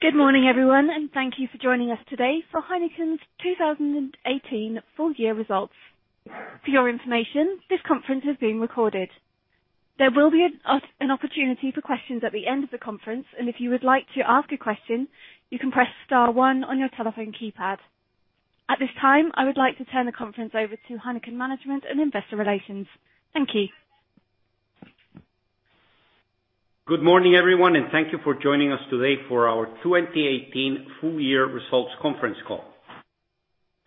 Good morning, everyone, thank you for joining us today for Heineken's 2018 full year results. For your information, this conference is being recorded. There will be an opportunity for questions at the end of the conference, and if you would like to ask a question, you can press star one on your telephone keypad. At this time, I would like to turn the conference over to Heineken management and investor relations. Thank you. Good morning, everyone, thank you for joining us today for our 2018 full year results conference call.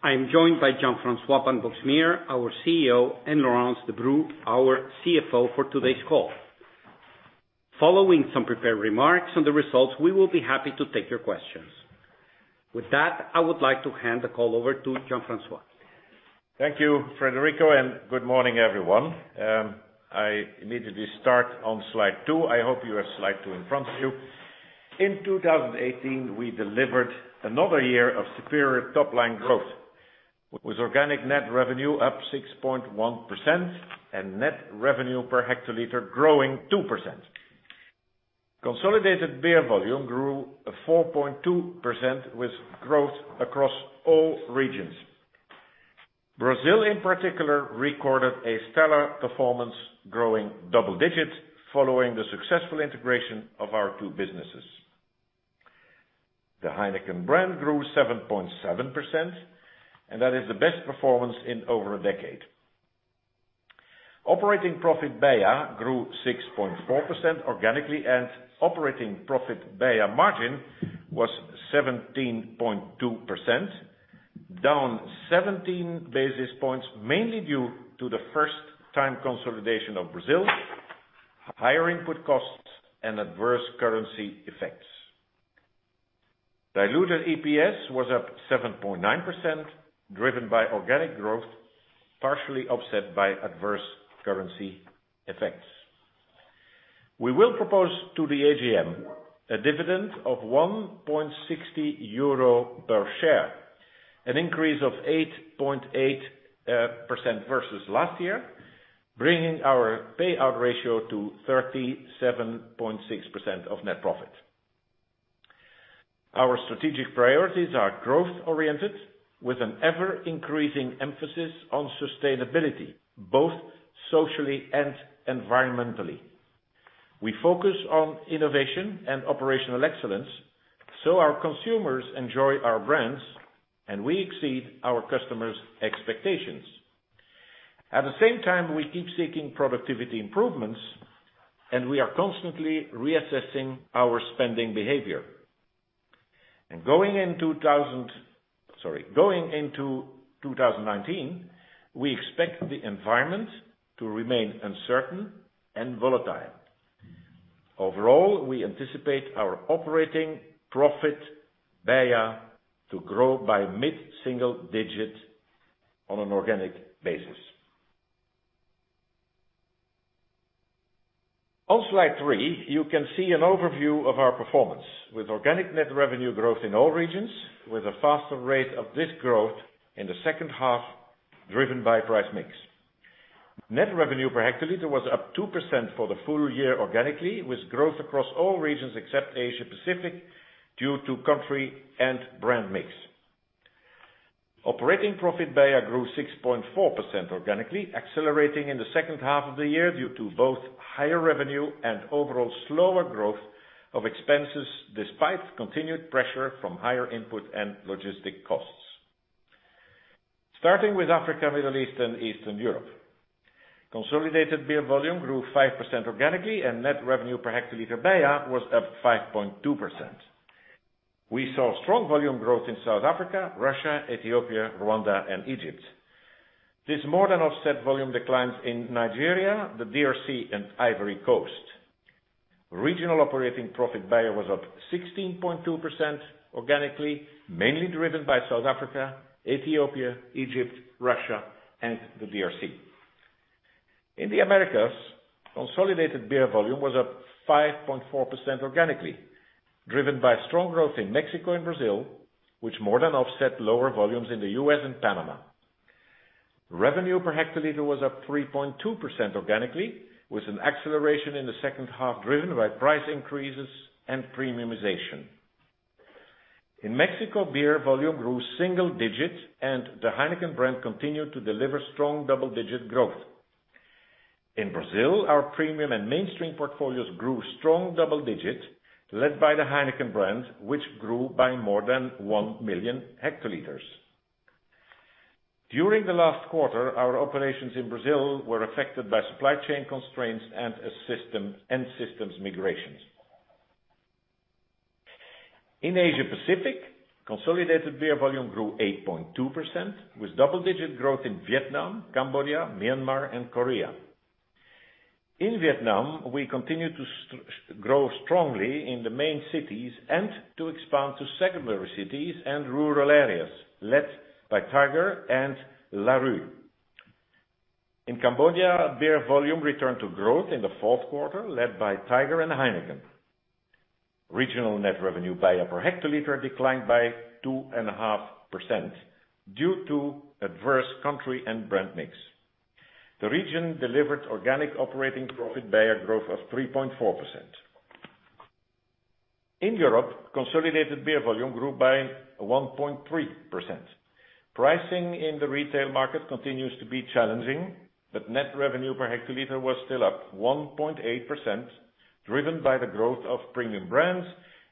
I am joined by Jean-François van Boxmeer, our CEO, and Laurence Debroux, our CFO, for today's call. Following some prepared remarks on the results, we will be happy to take your questions. With that, I would like to hand the call over to Jean-François. Thank you, Federico, good morning, everyone. I immediately start on slide two. I hope you have slide two in front of you. In 2018, we delivered another year of superior top-line growth, with organic net revenue up 6.1% and net revenue per hectoliter growing 2%. Consolidated beer volume grew 4.2% with growth across all regions. Brazil, in particular, recorded a stellar performance growing double digits following the successful integration of our two businesses. The Heineken brand grew 7.7%, and that is the best performance in over a decade. Operating profit beia grew 6.4% organically, and operating profit beia margin was 17.2%, down 17 basis points, mainly due to the first-time consolidation of Brazil, higher input costs, and adverse currency effects. Diluted EPS was up 7.9%, driven by organic growth, partially offset by adverse currency effects. We will propose to the AGM a dividend of 1.60 euro per share, an increase of 8.8% versus last year, bringing our payout ratio to 37.6% of net profit. Our strategic priorities are growth-oriented, with an ever-increasing emphasis on sustainability, both socially and environmentally. We focus on innovation and operational excellence, so our consumers enjoy our brands, and we exceed our customers' expectations. At the same time, we keep seeking productivity improvements, and we are constantly reassessing our spending behavior. Going into 2019, we expect the environment to remain uncertain and volatile. Overall, we anticipate our operating profit beia to grow by mid single-digits on an organic basis. On slide three, you can see an overview of our performance with organic net revenue growth in all regions with a faster rate of this growth in the second half driven by price mix. Net revenue per hectoliter was up 2% for the full year organically, with growth across all regions except Asia-Pacific due to country and brand mix. Operating profit beia grew 6.4% organically, accelerating in the second half of the year due to both higher revenue and overall slower growth of expenses despite continued pressure from higher input and logistic costs. Starting with Africa, Middle East, and Eastern Europe. Consolidated beer volume grew 5% organically, and net revenue per hectoliter beia was up 5.2%. We saw strong volume growth in South Africa, Russia, Ethiopia, Rwanda, and Egypt. This more than offset volume declines in Nigeria, the DRC, and Ivory Coast. Regional operating profit beia was up 16.2% organically, mainly driven by South Africa, Ethiopia, Egypt, Russia, and the DRC. In the Americas, consolidated beer volume was up 5.4% organically, driven by strong growth in Mexico and Brazil, which more than offset lower volumes in the U.S. and Panama. Revenue per hectoliter was up 3.2% organically, with an acceleration in the second half driven by price increases and premiumization. In Mexico, beer volume grew single digits, and the Heineken brand continued to deliver strong double-digit growth. In Brazil, our premium and mainstream portfolios grew strong double digits, led by the Heineken brand, which grew by more than 1,000,000 hL. During the last quarter, our operations in Brazil were affected by supply chain constraints and systems migrations. In Asia-Pacific, consolidated beer volume grew 8.2%, with double-digit growth in Vietnam, Cambodia, Myanmar, and Korea. In Vietnam, we continued to grow strongly in the main cities and to expand to secondary cities and rural areas, led by Tiger and Larue. In Cambodia, beer volume returned to growth in the fourth quarter, led by Tiger and Heineken. Regional net revenue beia per hectoliter declined by 2.5% due to adverse country and brand mix. The region delivered organic operating profit beia growth of 3.4%. In Europe, consolidated beer volume grew by 1.3%. Pricing in the retail market continues to be challenging, but net revenue per hectoliter was still up 1.8%, driven by the growth of premium brands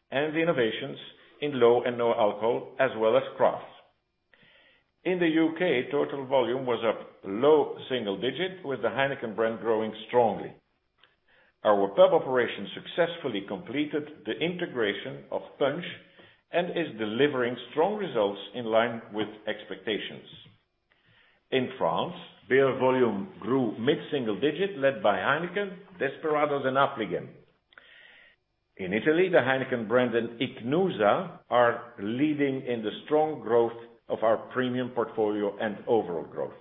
and the innovations in low and no alcohol, as well as crafts. In the U.K., total volume was up low single-digit with the Heineken brand growing strongly. Our pub operation successfully completed the integration of Punch and is delivering strong results in line with expectations. In France, beer volume grew mid-single digit led by Heineken, Desperados, and Affligem. In Italy, the Heineken brand and Ichnusa are leading in the strong growth of our premium portfolio and overall growth.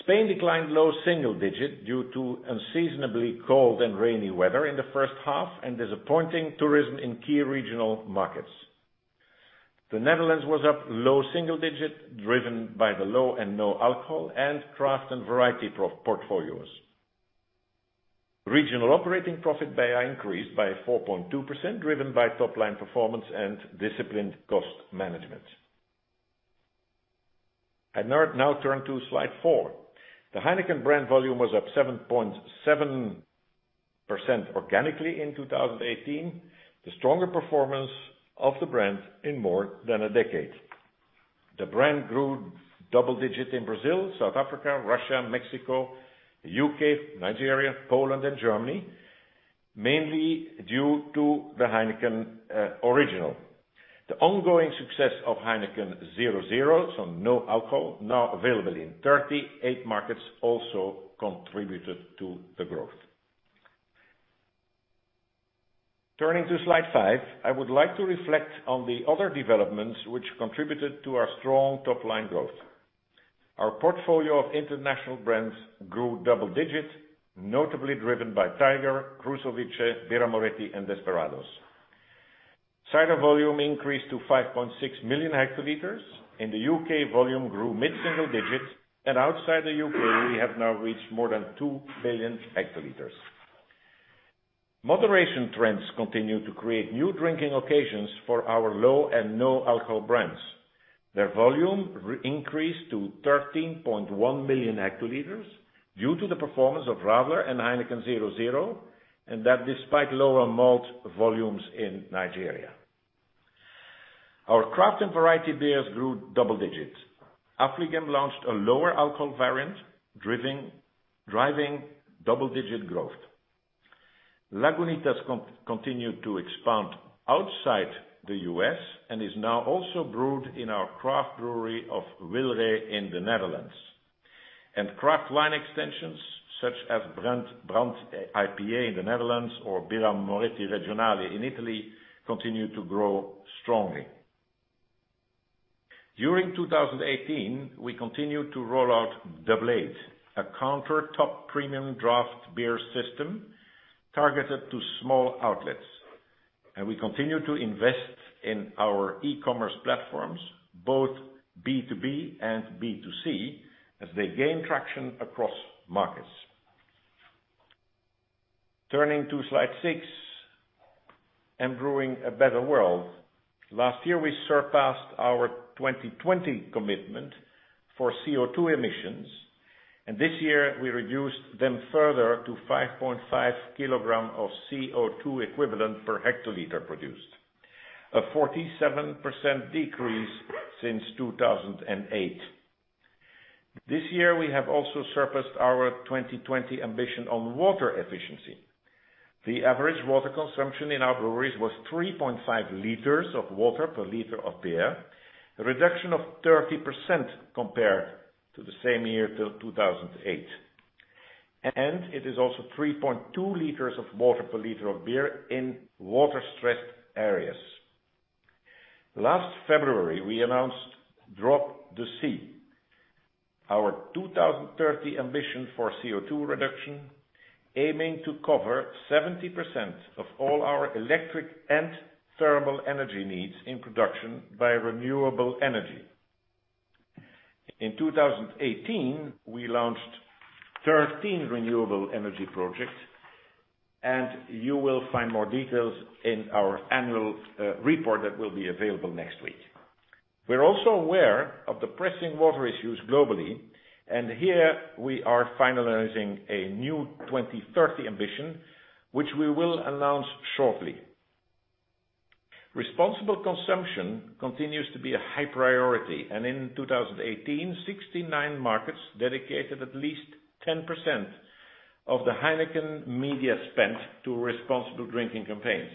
Spain declined low single digit due to unseasonably cold and rainy weather in the first half, and disappointing tourism in key regional markets. The Netherlands was up low single digit, driven by the low and no alcohol and craft and variety portfolios. Regional operating profit beia increased by 4.2%, driven by top-line performance and disciplined cost management. I now turn to slide four. The Heineken brand volume was up 7.7% organically in 2018, the stronger performance of the brand in more than a decade. The brand grew double digit in Brazil, South Africa, Russia, Mexico, the U.K., Nigeria, Poland, and Germany, mainly due to the Heineken Original. The ongoing success of Heineken 0.0, so no alcohol, now available in 38 markets, also contributed to the growth. Turning to slide five, I would like to reflect on the other developments which contributed to our strong top-line growth. Our portfolio of international brands grew double digits, notably driven by Tiger, Krušovice, Birra Moretti, and Desperados. Cider volume increased to 5.600,000 hL. In the U.K., volume grew mid-single digits, and outside the U.K., we have now reached more than 2,000,000,000 hL. Moderation trends continue to create new drinking occasions for our low and no alcohol brands. Their volume increased to 13,100,000 hL due to the performance of Radler and Heineken 0.0, and that despite lower malt volumes in Nigeria. Our craft and variety beers grew double digits. Affligem launched a lower alcohol variant, driving double-digit growth. Lagunitas continued to expand outside the U.S. and is now also brewed in our craft brewery of Wijlre in the Netherlands. Craft line extensions such as Brand IPA in the Netherlands or Birra Moretti Regionale in Italy continue to grow strongly. During 2018, we continued to roll out the Blade, a countertop premium draft beer system targeted to small outlets. We continue to invest in our e-commerce platforms, both B2B and B2C, as they gain traction across markets. Turning to slide six and Brew a Better World. Last year, we surpassed our 2020 commitment for CO2 emissions, and this year we reduced them further to 5.5 kg of CO2 equivalent per hectoliter produced, a 47% decrease since 2008. This year, we have also surpassed our 2020 ambition on water efficiency. The average water consumption in our breweries was 3.5 L of water per liter of beer, a reduction of 30% compared to the same year till 2008. It is also 3.2 L of water per liter of beer in water-stressed areas. Last February, we announced Drop the C, our 2030 ambition for CO2 reduction, aiming to cover 70% of all our electric and thermal energy needs in production by renewable energy. In 2018, we launched 13 renewable energy projects, and you will find more details in our annual report that will be available next week. We are also aware of the pressing water issues globally, and here we are finalizing a new 2030 ambition, which we will announce shortly. Responsible consumption continues to be a high priority, and in 2018, 69 markets dedicated at least 10% of the Heineken media spend to responsible drinking campaigns.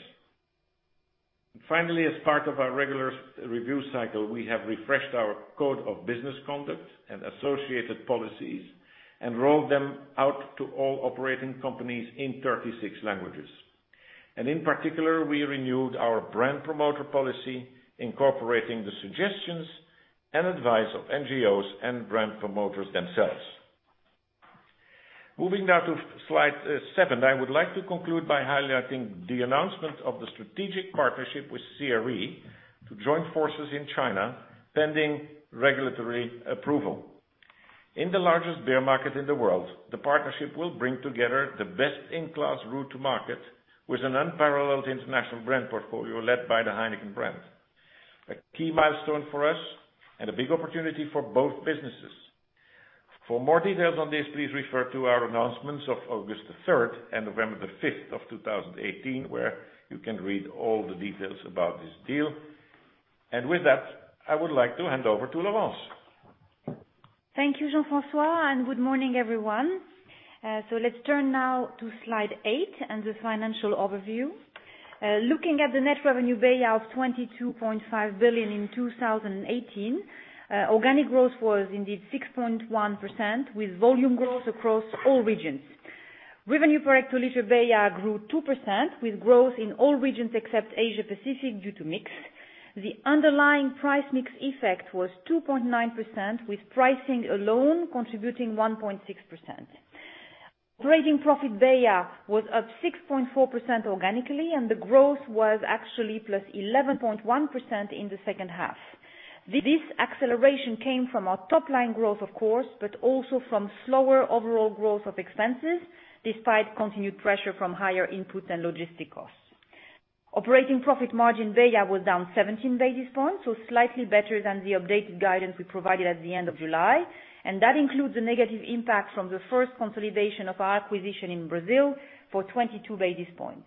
Finally, as part of our regular review cycle, we have refreshed our code of business conduct and associated policies and rolled them out to all operating companies in 36 languages. In particular, we renewed our brand promoter policy, incorporating the suggestions and advice of NGOs and brand promoters themselves. Moving now to slide seven. I would like to conclude by highlighting the announcement of the strategic partnership with CRE to join forces in China, pending regulatory approval. In the largest beer market in the world, the partnership will bring together the best-in-class route to market with an unparalleled international brand portfolio led by the Heineken brand. A key milestone for us and a big opportunity for both businesses. For more details on this, please refer to our announcements of August 3rd and November 5th of 2018, where you can read all the details about this deal. With that, I would like to hand over to Laurence. Thank you, Jean-François, and good morning, everyone. Let's turn now to slide eight and the financial overview. Looking at the net revenue beia of 22.5 billion in 2018, organic growth was indeed 6.1% with volume growth across all regions. Revenue per hectolitre beia grew 2% with growth in all regions except Asia Pacific due to mix. The underlying price mix effect was 2.9% with pricing alone contributing 1.6%. Operating profit beia was up 6.4% organically, and the growth was actually +11.1% in the second half. This acceleration came from our top-line growth, of course, but also from slower overall growth of expenses, despite continued pressure from higher input and logistic costs. Operating profit margin beia was down 17 basis points, slightly better than the updated guidance we provided at the end of July, and that includes the negative impact from the first consolidation of our acquisition in Brazil for 22 basis points.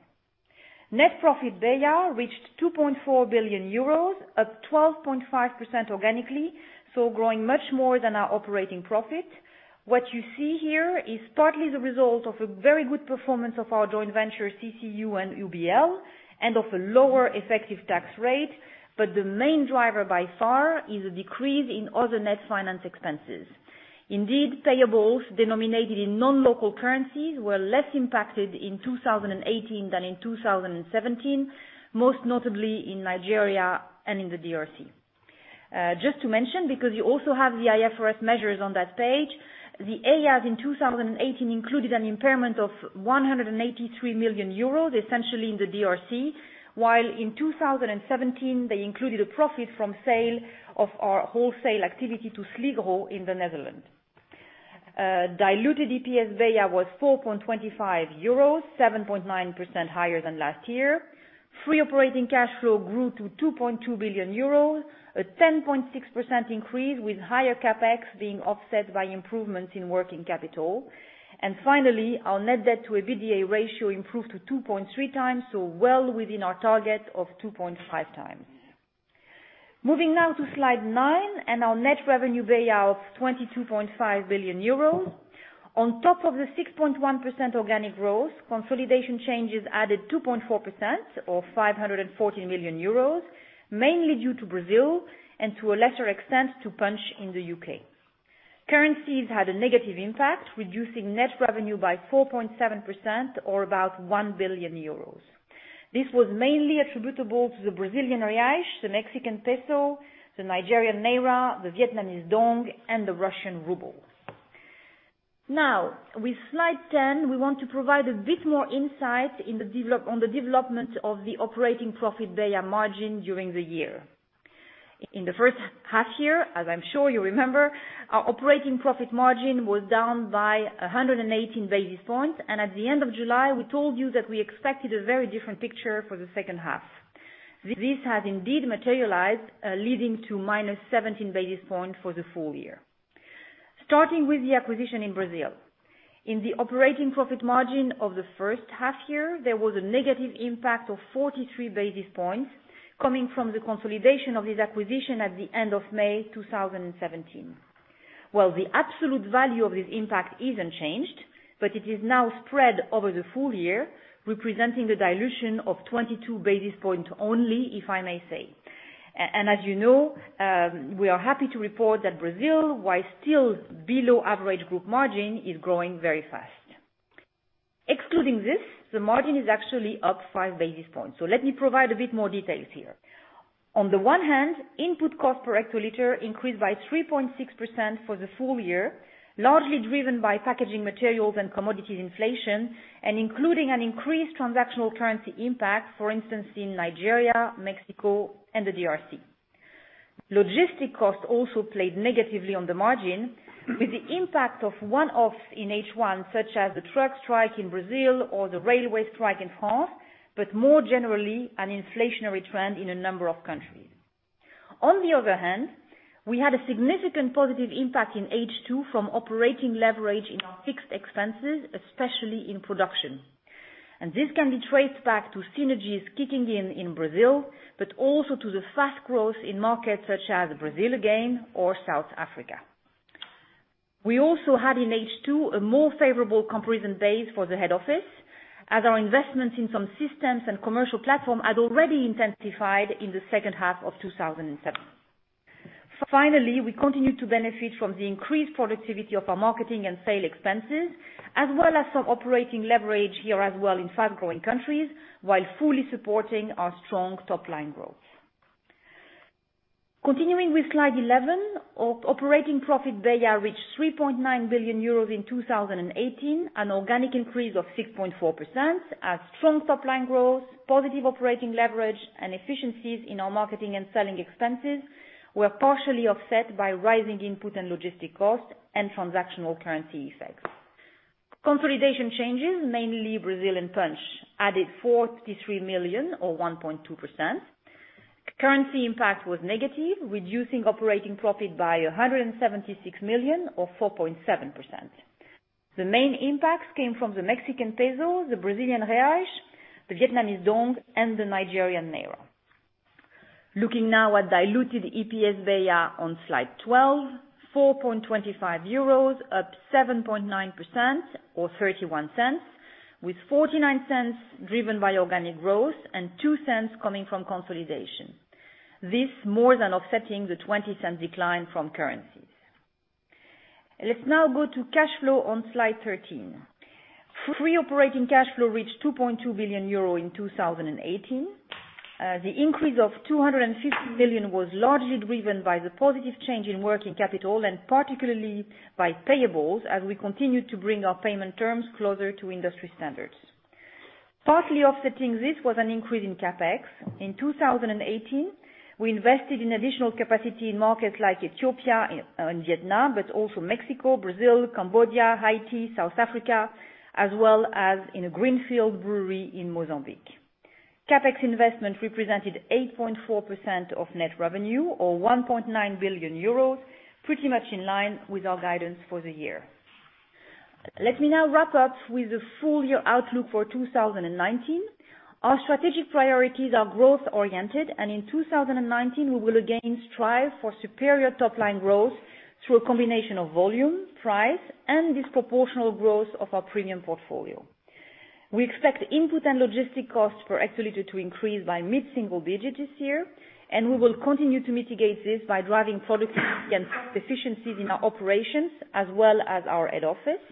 Net profit beia reached 2.4 billion euros, up 12.5% organically, growing much more than our operating profit. What you see here is partly the result of a very good performance of our joint venture, CCU and UBL, and of a lower effective tax rate. The main driver by far is a decrease in other net finance expenses. Indeed, payables denominated in non-local currencies were less impacted in 2018 than in 2017, most notably in Nigeria and in the DRC Just to mention, because you also have the IFRS measures on that page, the EIAs in 2018 included an impairment of 183 million euros, essentially in the DRC., while in 2017 they included a profit from sale of our wholesale activity to Sligro in the Netherlands. Diluted EPS beia was 4.25 euros, 7.9% higher than last year. Free operating cash flow grew to 2.2 billion euros, a 10.6% increase, with higher CapEx being offset by improvements in working capital. Finally, our net debt to EBITDA ratio improved to 2.3x, well within our target of 2.5x Moving now to slide nine and our net revenue beia of 22.5 billion euros. On top of the 6.1% organic growth, consolidation changes added 2.4% or 540 million euros, mainly due to Brazil and to a lesser extent, to Punch in the U.K. Currencies had a negative impact, reducing net revenue by 4.7% or about 1 billion euros. This was mainly attributable to the Brazilian real, the Mexican peso, the Nigerian naira, the Vietnamese đồng, and the Russian ruble. With slide 10, we want to provide a bit more insight on the development of the operating profit beia margin during the year. In the first half year, as I'm sure you remember, our operating profit margin was down by 118 basis points, at the end of July, we told you that we expected a very different picture for the second half. This has indeed materialized, leading to -17 basis points for the full year. Starting with the acquisition in Brazil. In the operating profit margin of the first half year, there was a negative impact of 43 basis points coming from the consolidation of this acquisition at the end of May 2017. Well, the absolute value of this impact isn't changed, but it is now spread over the full year, representing a dilution of 22 basis points only, if I may say. As you know, we are happy to report that Brazil, while still below average group margin, is growing very fast. Excluding this, the margin is actually up five basis points. Let me provide a bit more details here. On the one hand, input cost per hectolitre increased by 3.6% for the full year, largely driven by packaging materials and commodity inflation, and including an increased transactional currency impact, for instance, in Nigeria, Mexico, and the DRC. Logistic costs also played negatively on the margin with the impact of one-offs in H1, such as the truck strike in Brazil or the railway strike in France, but more generally, an inflationary trend in a number of countries. On the other hand, we had a significant positive impact in H2 from operating leverage in our fixed expenses, especially in production. This can be traced back to synergies kicking in in Brazil, but also to the fast growth in markets such as Brazil again or South Africa. We also had in H2 a more favorable comparison base for the head office, as our investments in some systems and commercial platform had already intensified in the second half of 2017. Finally, we continued to benefit from the increased productivity of our marketing and sale expenses, as well as some operating leverage here as well in fast-growing countries, while fully supporting our strong top-line growth. Continuing with slide 11, operating profit beia reached 3.9 billion euros in 2018, an organic increase of 6.4%, as strong top-line growth, positive operating leverage, and efficiencies in our marketing and selling expenses were partially offset by rising input and logistic costs and transactional currency effects. Consolidation changes, mainly Brazilian Punch, added 453 million or 1.2%. Currency impact was negative, reducing operating profit by 176 million or 4.7%. The main impacts came from the Mexican peso, the Brazilian real, the Vietnamese đồng, and the Nigerian naira. Looking now at diluted EPS beia on slide 12, 4.25 euros up 7.9% or 0.31, with 0.49 driven by organic growth and 0.02 coming from consolidation. This more than offsetting the 0.20 decline from currencies. Let's now go to cash flow on slide 13. Free operating cash flow reached 2.2 billion euro in 2018. The increase of 250 million was largely driven by the positive change in working capital and particularly by payables, as we continue to bring our payment terms closer to industry standards. Partly offsetting this was an increase in CapEx. In 2018, we invested in additional capacity in markets like Ethiopia and Vietnam, but also Mexico, Brazil, Cambodia, Haiti, South Africa, as well as in a greenfield brewery in Mozambique. CapEx investment represented 8.4% of net revenue or 1.9 billion euros, pretty much in line with our guidance for the year. Let me now wrap up with the full year outlook for 2019. Our strategic priorities are growth oriented. In 2019, we will again strive for superior top-line growth through a combination of volume, price, and disproportional growth of our premium portfolio. We expect input and logistic costs for actually to increase by mid single-digits this year, and we will continue to mitigate this by driving productivity and efficiencies in our operations as well as our head office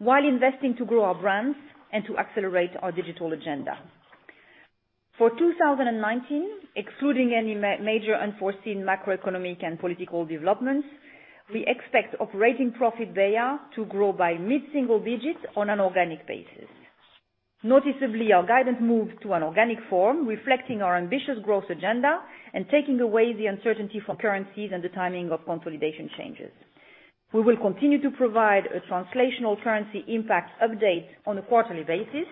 while investing to grow our brands and to accelerate our digital agenda. For 2019, excluding any major unforeseen macroeconomic and political developments, we expect operating profit beia to grow by mid single-digits on an organic basis. Noticeably, our guidance moves to an organic form, reflecting our ambitious growth agenda and taking away the uncertainty from currencies and the timing of consolidation changes. We will continue to provide a translational currency impact update on a quarterly basis,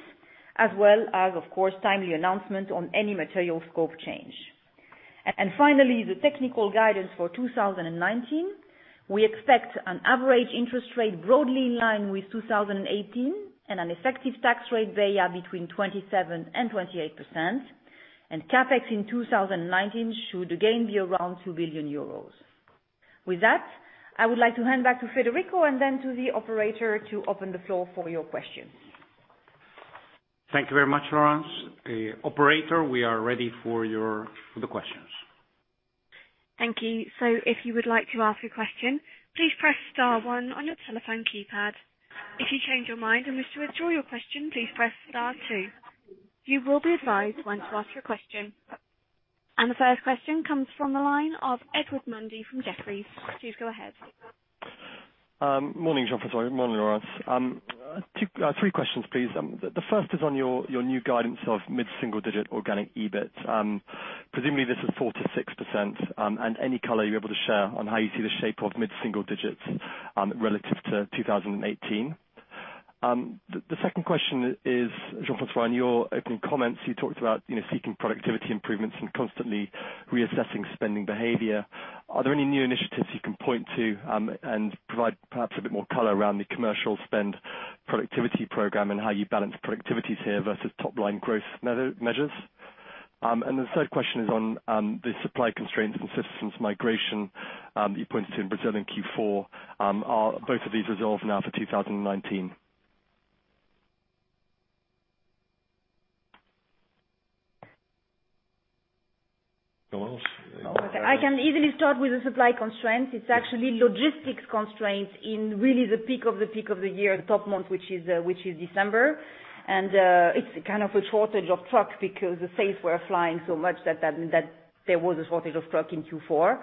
as well as, of course, timely announcement on any material scope change. Finally, the technical guidance for 2019. We expect an average interest rate broadly in line with 2018 and an effective tax rate beia between 27% and 28%, and CapEx in 2019 should again be around 2 billion euros. With that, I would like to hand back to Federico and then to the operator to open the floor for your questions. Thank you very much, Laurence. Operator, we are ready for the questions. Thank you. If you would like to ask a question, please press star one on your telephone keypad. If you change your mind and wish to withdraw your question, please press star two. You will be advised when to ask your question. The first question comes from the line of Edward Mundy from Jefferies. Please go ahead. Morning, Jean-François. Morning, Laurence. Three questions, please. The first is on your new guidance of mid single-digit organic EBIT. Presumably, this is 4%-6%, and any color you are able to share on how you see the shape of mid-single digits relative to 2018. The second question is, Jean-François, in your opening comments, you talked about seeking productivity improvements and constantly reassessing spending behavior. Are there any new initiatives you can point to and provide perhaps a bit more color around the commercial spend productivity program and how you balance productivities here versus top-line growth measures? The third question is on the supply constraints and systems migration that you pointed to in Brazil in Q4. Are both of these resolved now for 2019? Laurence? I can easily start with the supply constraint. It is actually logistics constraint in really the peak of the peak of the year, the top month, which is December. It is kind of a shortage of truck because the sales were flying so much that there was a shortage of truck in Q4.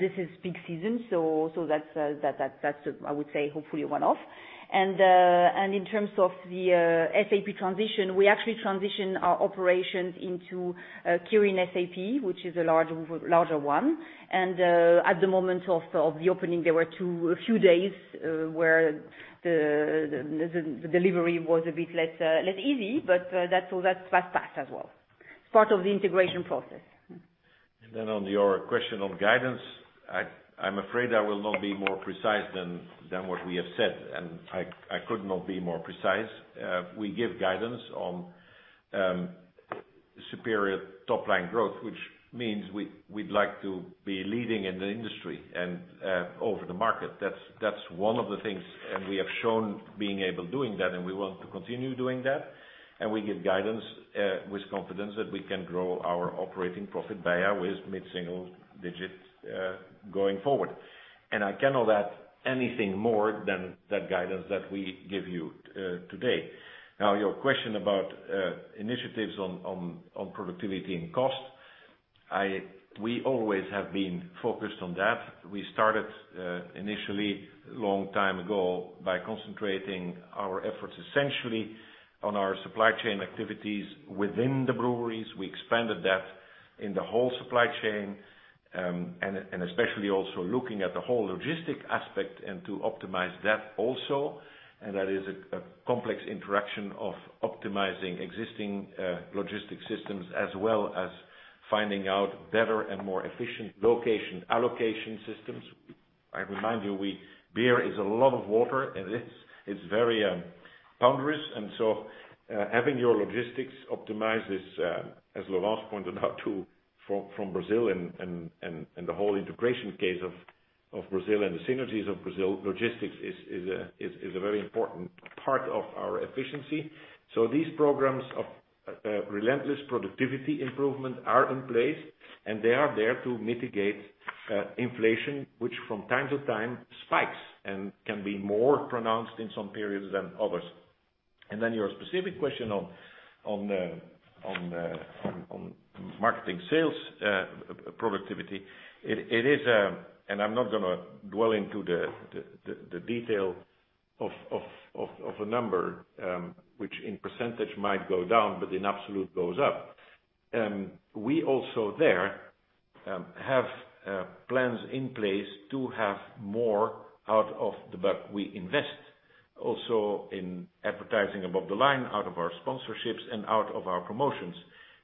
This is peak season, so that is, I would say, hopefully a one-off. In terms of the SAP transition, we actually transition our operations into Kirin SAP, which is a larger one. At the moment of the opening, there were a few days where the delivery was a bit less easy, but that passed as well. It is part of the integration process. On your question on guidance, I am afraid I will not be more precise than what we have said, and I could not be more precise. We give guidance on superior top-line growth, which means we would like to be leading in the industry and over the market. That is one of the things, and we have shown being able doing that, and we want to continue doing that. We give guidance with confidence that we can grow our operating profit beia with mid single-digits going forward. I cannot add anything more than that guidance that we give you today. Now, your question about initiatives on productivity and cost. We always have been focused on that. We started initially, a long time ago, by concentrating our efforts essentially on our supply chain activities within the breweries. We expanded that in the whole supply chain, and especially also looking at the whole logistic aspect and to optimize that also. That is a complex interaction of optimizing existing logistics systems as well as finding out better and more efficient location allocation systems. I remind you, beer is a lot of water, and it is very onerous. Having your logistics optimized is, as Laurence pointed out too, from Brazil and the whole integration case of Brazil and the synergies of Brazil, logistics is a very important part of our efficiency. These programs of relentless productivity improvement are in place, and they are there to mitigate inflation, which from time to time spikes and can be more pronounced in some periods than others. Your specific question on marketing sales productivity. I'm not going to dwell into the detail of a number, which in percentage might go down but in absolute goes up. We also there have plans in place to have more out of the buck we invest. In advertising above the line, out of our sponsorships, and out of our promotions.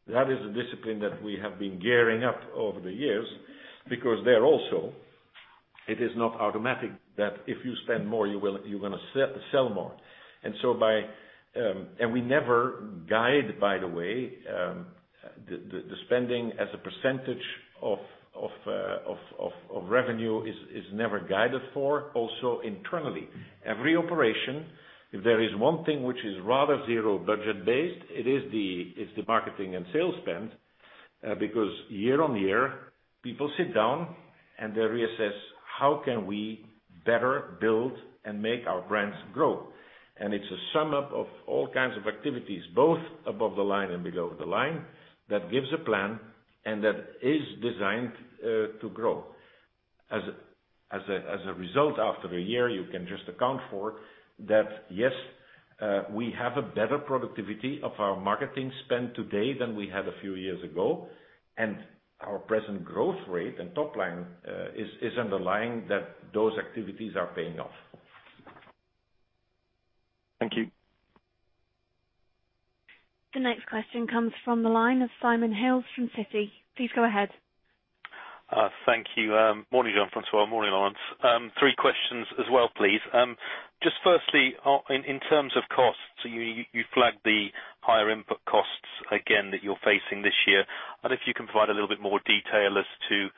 That is a discipline that we have been gearing up over the years, because there also, it is not automatic that if you spend more, you're going to sell more. We never guide, by the way, the spending as a % of revenue is never guided for, also internally. Every operation, if there is one thing which is rather zero budget-based, it is the marketing and sales spend. Year-on-year, people sit down and they reassess, how can we better build and make our brands grow? It's a sum up of all kinds of activities, both above the line and below the line, that gives a plan, and that is designed to grow. As a result, after a year, you can just account for that yes, we have a better productivity of our marketing spend today than we had a few years ago. Our present growth rate and top line is underlying that those activities are paying off. Thank you. The next question comes from the line of Simon Hales from Citi. Please go ahead. Thank you. Morning, Jean-François. Morning, Laurence. Three questions as well, please. Just firstly, in terms of costs, you flagged the higher input costs again that you're facing this year. I don't know if you can provide a little bit more detail as to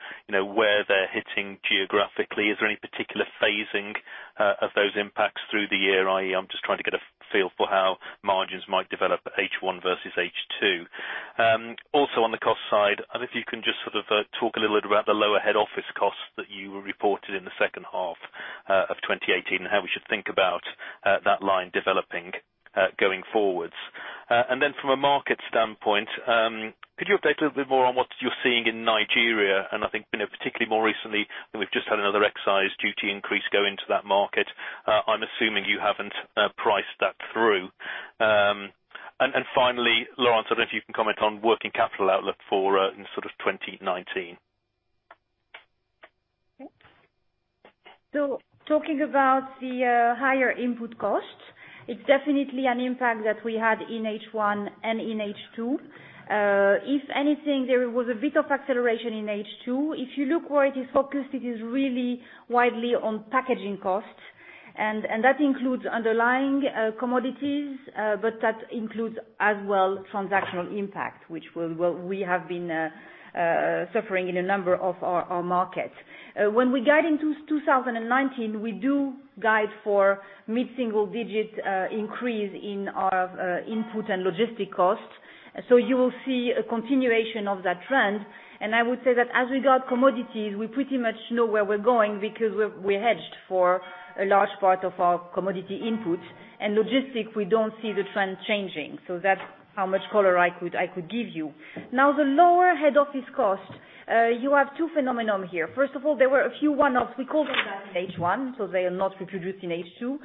where they're hitting geographically. Is there any particular phasing of those impacts through the year? I'm just trying to get a feel for how margins might develop H1 versus H2. Also on the cost side, if you can just talk a little bit about the lower head office costs that you reported in the second half of 2018, and how we should think about that line developing going forwards. Then from a market standpoint, could you update a little bit more on what you're seeing in Nigeria, and I think, particularly more recently, we've just had another excise duty increase go into that market. I'm assuming you haven't priced that through. Finally, Laurence, I don't know if you can comment on working capital outlook for in sort of 2019. Talking about the higher input costs, it's definitely an impact that we had in H1 and in H2. If anything, there was a bit of acceleration in H2. If you look where it is focused, it is really widely on packaging costs. That includes underlying commodities, but that includes as well transactional impact, which we have been suffering in a number of our markets. When we guide into 2019, we do guide for mid-single digit increase in our input and logistic costs. You will see a continuation of that trend. I would say that as we got commodities, we pretty much know where we're going because we're hedged for a large part of our commodity input. Logistic, we don't see the trend changing. That's how much color I could give you. Now, the lower head office cost, you have two phenomenon here. First of all, there were a few one-offs. We called them that in H1, they are not reproduced in H2.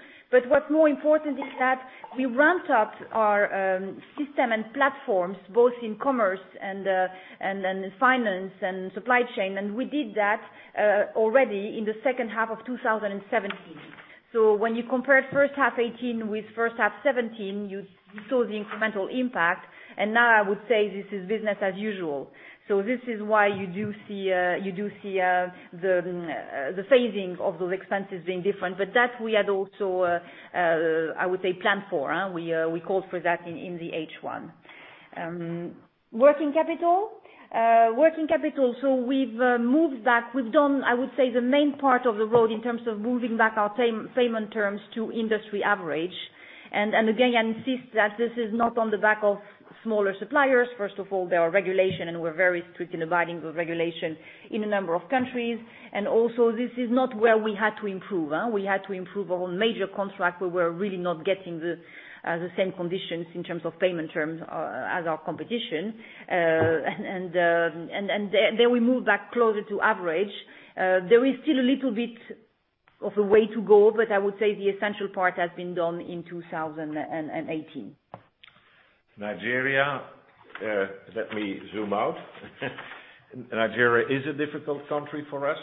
What's more important is that we ramped up our system and platforms both in commerce and finance and supply chain, and we did that already in the second half of 2017. When you compared first half 2018 with first half 2017, you saw the incremental impact. Now I would say this is business as usual. This is why you do see the phasing of those expenses being different. But that we had also, I would say, planned for. We called for that in the H1. Working capital? Working capital. We've moved back. We've done, I would say, the main part of the road in terms of moving back our payment terms to industry average I insist that this is not on the back of smaller suppliers. First of all, there are regulations, and we're very strict in abiding with regulations in a number of countries. Also, this is not where we had to improve. We had to improve on major contracts where we're really not getting the same conditions in terms of payment terms as our competition. Then we moved back closer to average. There is still a little bit of a way to go, I would say the essential part has been done in 2018. Nigeria, let me zoom out. Nigeria is a difficult country for us,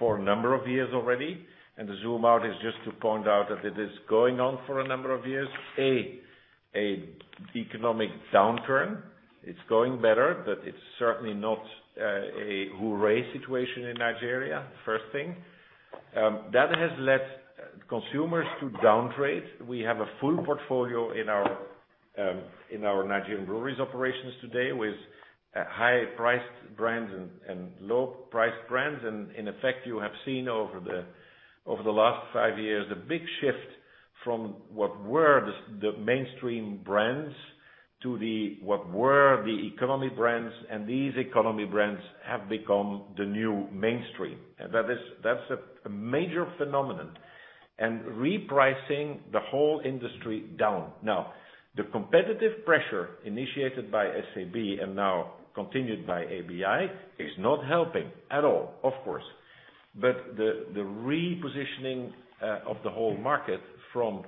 for a number of years already. The zoom out is just to point out that it is going on for a number of years. An economic downturn. It's going better, certainly not a hooray situation in Nigeria, first thing. That has led consumers to downtrade. We have a full portfolio in our Nigerian breweries operations today with high priced brands and low priced brands. In effect, you have seen over the last five years, the big shift from what were the mainstream brands to what were the economy brands. These economy brands have become the new mainstream. That's a major phenomenon, and repricing the whole industry down. The competitive pressure initiated by SAB and now continued by ABI is not helping at all, of course. The repositioning of the whole market from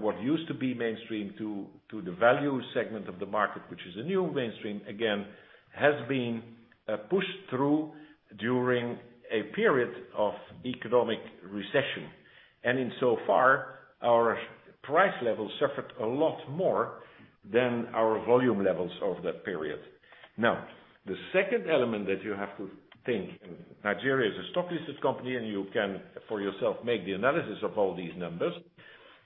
what used to be mainstream to the value segment of the market, which is a new mainstream, again, has been pushed through during a period of economic recession. In so far, our price level suffered a lot more than our volume levels over that period. The second element that you have to think, Nigeria is a stock listed company, you can for yourself make the analysis of all these numbers,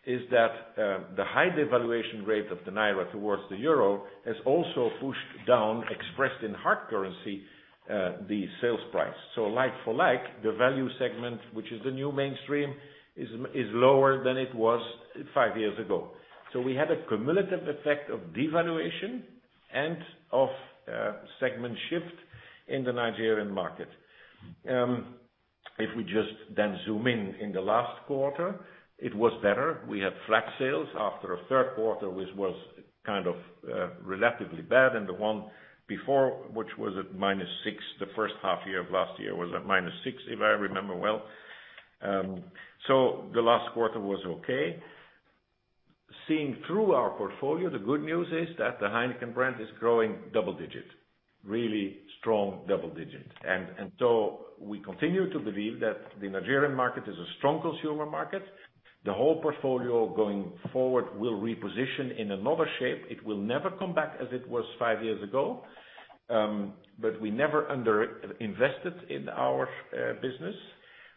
is that the high devaluation rate of the naira towards the euro has also pushed down, expressed in hard currency, the sales price. Like for like, the value segment, which is the new mainstream, is lower than it was five years ago. We had a cumulative effect of devaluation and of segment shift in the Nigerian market. If we just zoom in in the last quarter, it was better. We had flat sales after a third quarter, which was kind of relatively bad, the one before, which was at -6, the first half year of last year was at -6, if I remember well. The last quarter was okay. Seeing through our portfolio, the good news is that the Heineken brand is growing double-digit, really strong double-digit. We continue to believe that the Nigerian market is a strong consumer market. The whole portfolio going forward will reposition in another shape. It will never come back as it was five years ago. We never underinvested in our business.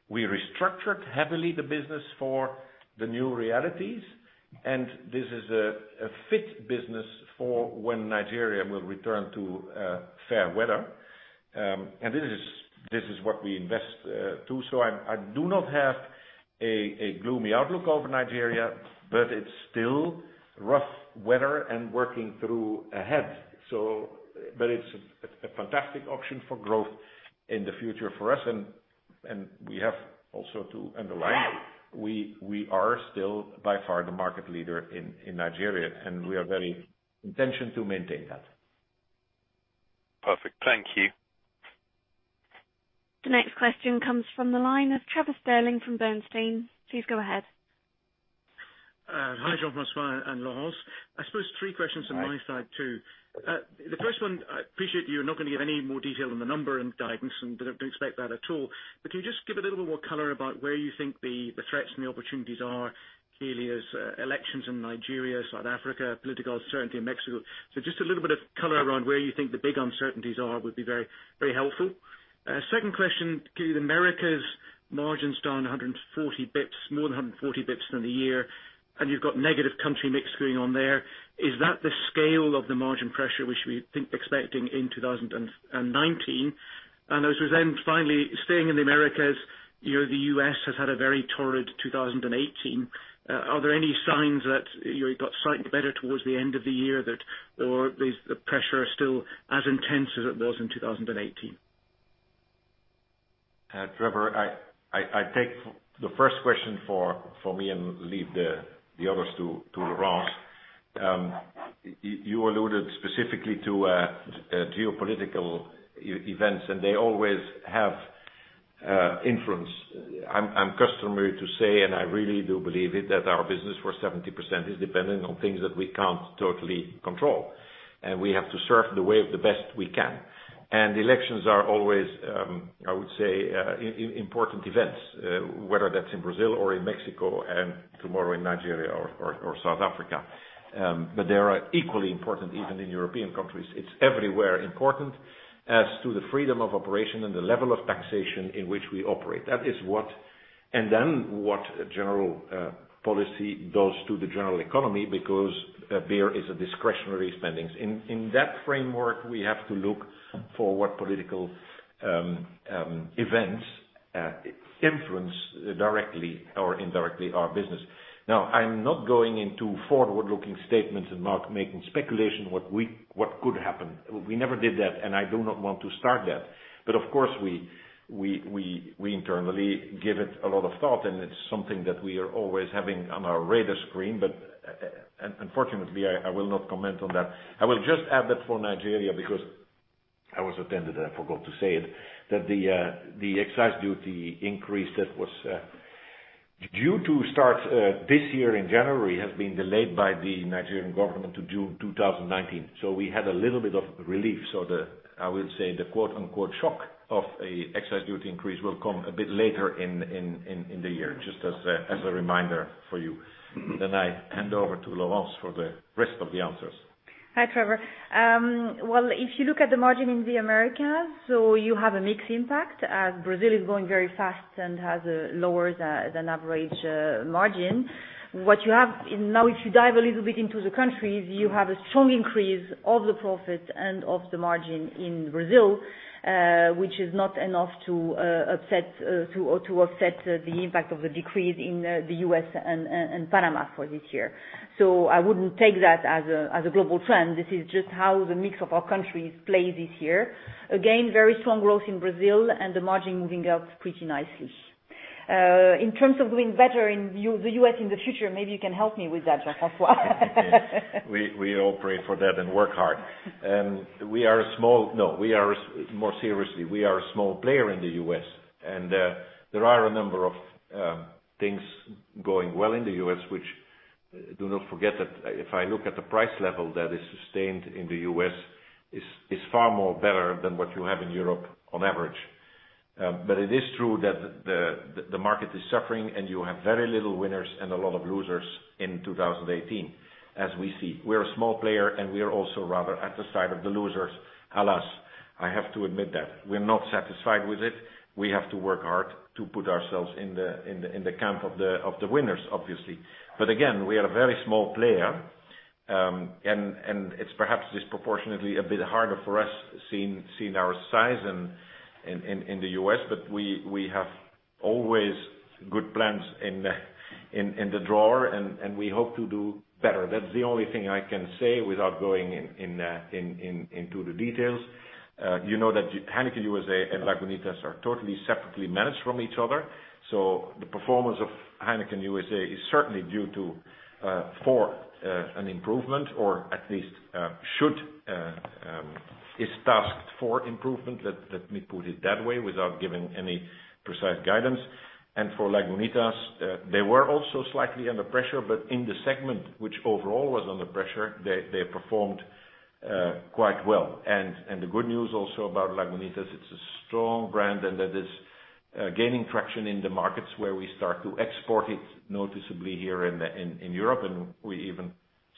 We restructured heavily the business for the new realities, this is a fit business for when Nigeria will return to fair weather. This is what we invest to. I do not have a gloomy outlook over Nigeria, but it's still rough weather and working through ahead. It's a fantastic option for growth in the future for us, and we have also to underline, we are still by far the market leader in Nigeria, and we are very intention to maintain that. Perfect. Thank you. The next question comes from the line of Trevor Stirling from Bernstein. Please go ahead. Hi, Jean-François and Laurence. I suppose three questions from my side, too. Hi. The first one, I appreciate you're not going to give any more detail on the number and guidance and don't expect that at all. Can you just give a little bit more color about where you think the threats and the opportunities are, clearly, as elections in Nigeria, South Africa, political uncertainty in Mexico. Just a little bit of color around where you think the big uncertainties are would be very helpful. Second question, given Americas margins down more than 140 basis points than the year, and you've got negative country mix going on there, is that the scale of the margin pressure which we think expecting in 2019? I suppose then finally, staying in the Americas, the U.S. has had a very torrid 2018. Are there any signs that it got slightly better towards the end of the year, or the pressure is still as intense as it was in 2018? Trevor, I take the first question for me and leave the others to Laurence. You alluded specifically to geopolitical events, and they always have influence. I'm customary to say, and I really do believe it, that our business, for 70%, is dependent on things that we can't totally control. We have to surf the wave the best we can. Elections are always, I would say, important events, whether that's in Brazil or in Mexico and tomorrow in Nigeria or South Africa. They are equally important even in European countries. It's everywhere important as to the freedom of operation and the level of taxation in which we operate. That is what. Then what general policy does to the general economy because beer is a discretionary spendings. In that framework, we have to look for what political events influence directly or indirectly our business. I'm not going into forward-looking statements and not making speculation what could happen. We never did that, and I do not want to start that. Of course, we internally give it a lot of thought, and it's something that we are always having on our radar screen. Unfortunately, I will not comment on that. I will just add that for Nigeria, because I was attentive, I forgot to say it, that the excise duty increase that was due to start this year in January has been delayed by the Nigerian government to June 2019. We had a little bit of relief. I will say the shock of a excise duty increase will come a bit later in the year, just as a reminder for you. I hand over to Laurence for the rest of the answers. Hi, Trevor. Well, if you look at the margin in the Americas, you have a mixed impact as Brazil is growing very fast and has a lower than average margin. Now, if you dive a little bit into the countries, you have a strong increase of the profit and of the margin in Brazil, which is not enough to offset the impact of the decrease in the U.S. and Panama for this year. I wouldn't take that as a global trend. This is just how the mix of our countries plays this year. Again, very strong growth in Brazil and the margin moving up pretty nicely. In terms of doing better in the U.S. in the future, maybe you can help me with that, Jean-François. We all pray for that and work hard. More seriously, we are a small player in the U.S., there are a number of things going well in the U.S., which do not forget that if I look at the price level that is sustained in the U.S., is far more better than what you have in Europe on average. It is true that the market is suffering, you have very little winners and a lot of losers in 2018, as we see. We're a small player, we are also rather at the side of the losers. Alas, I have to admit that. We're not satisfied with it. We have to work hard to put ourselves in the camp of the winners, obviously. Again, we are a very small player, it's perhaps disproportionately a bit harder for us, seeing our size in the U.S., we have always good plans in the drawer, we hope to do better. That's the only thing I can say without going into the details. You know that Heineken USA and Lagunitas are totally separately managed from each other. The performance of Heineken USA is certainly due for an improvement or at least is tasked for improvement. Let me put it that way without giving any precise guidance. For Lagunitas, they were also slightly under pressure, in the segment, which overall was under pressure, they performed quite well. The good news also about Lagunitas, it's a strong brand, that is gaining traction in the markets where we start to export it noticeably here in Europe, we even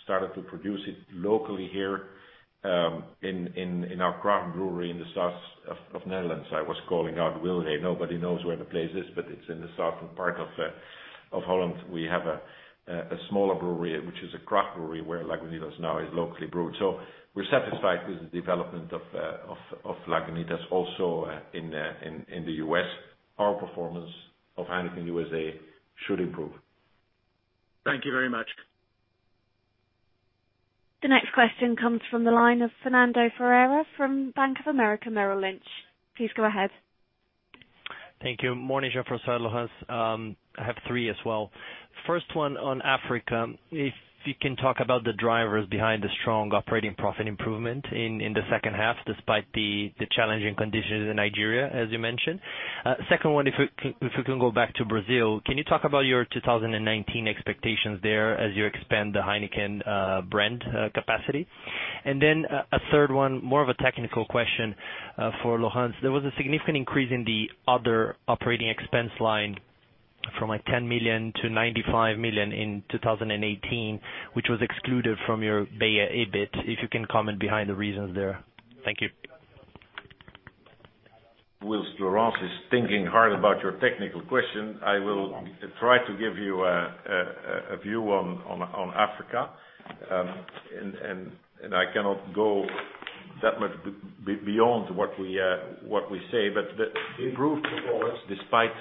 started to produce it locally here in our craft brewery in the south of Netherlands. I was calling out Wijlre, nobody knows where the place is, it's in the southern part of Holland. We have a smaller brewery, which is a craft brewery where Lagunitas now is locally brewed. We're satisfied with the development of Lagunitas also in the U.S. Our performance of Heineken USA should improve. Thank you very much. The next question comes from the line of Fernando Ferreira from Bank of America Merrill Lynch. Please go ahead. Thank you. Morning, Jean-François, Laurence. I have three as well. First one on Africa. If you can talk about the drivers behind the strong operating profit improvement in the second half, despite the challenging conditions in Nigeria, as you mentioned. Second one, if we can go back to Brazil, can you talk about your 2019 expectations there as you expand the Heineken brand capacity? A third one, more of a technical question for Laurence. There was a significant increase in the other operating expense line from like 10 million-95 million in 2018, which was excluded from your beia EBIT. If you can comment behind the reasons there. Thank you. Whilst Laurence is thinking hard about your technical question, I will try to give you a view on Africa. I cannot go that much beyond what we say, but the improved performance, despite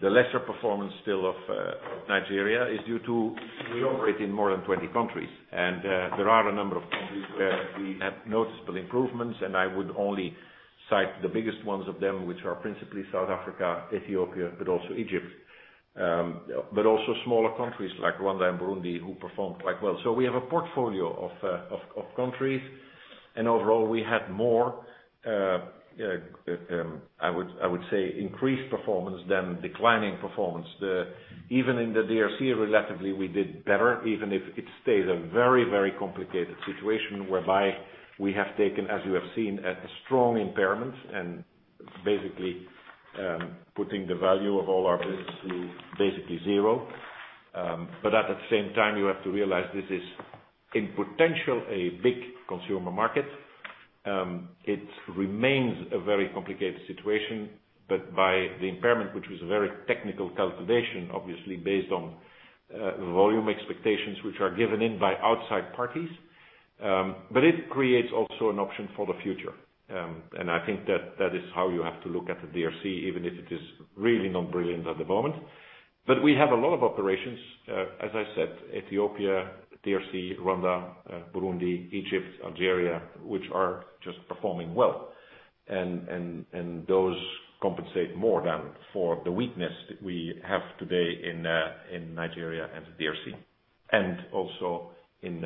the lesser performance still of Nigeria, is due to we operate in more than 20 countries, and there are a number of countries where we have noticeable improvements, and I would only cite the biggest ones of them, which are principally South Africa, Ethiopia, but also Egypt. Also smaller countries like Rwanda and Burundi, who performed quite well. We have a portfolio of countries, and overall, we had more, I would say, increased performance than declining performance. Even in the DRC, relatively, we did better, even if it stays a very complicated situation whereby we have taken, as you have seen, a strong impairment and basically putting the value of all our business to basically zero. At the same time, you have to realize this is, in potential, a big consumer market. It remains a very complicated situation, but by the impairment, which was a very technical calculation, obviously based on volume expectations, which are given in by outside parties. It creates also an option for the future. I think that is how you have to look at the DRC, even if it is really not brilliant at the moment. We have a lot of operations, as I said, Ethiopia, DRC, Rwanda, Burundi, Egypt, Algeria, which are just performing well. Those compensate more than for the weakness we have today in Nigeria and the DRC and also in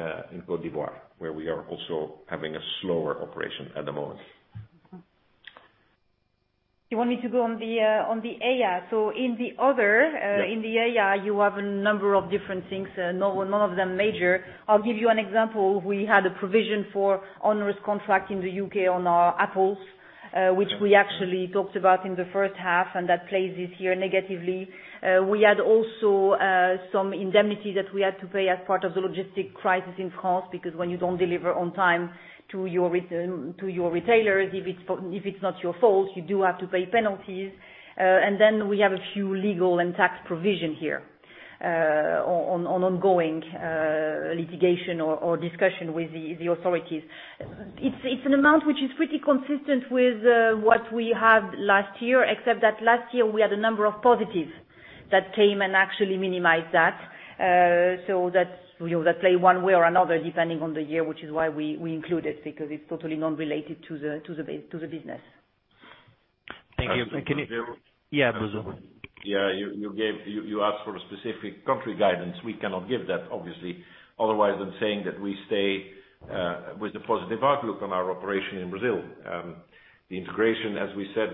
Côte d'Ivoire, where we are also having a slower operation at the moment. You want me to go on the EIA. In the other- Yeah In the EIA, you have a number of different things, none of them major. I'll give you an example. We had a provision for onerous contract in the U.K. on our apples, which we actually talked about in the first half, that plays this year negatively. We had also some indemnity that we had to pay as part of the logistic crisis in France, because when you don't deliver on time to your retailers, if it's not your fault, you do have to pay penalties. Then we have a few legal and tax provision here, on ongoing litigation or discussion with the authorities. It's an amount which is pretty consistent with what we had last year, except that last year we had a number of positives that came and actually minimized that. That play one way or another depending on the year, which is why we include it, because it's totally non-related to the business. Thank you. Absolutely. Yeah, go on. You asked for a specific country guidance. We cannot give that obviously, other than saying that we stay with the positive outlook on our operation in Brazil. The integration, as we said,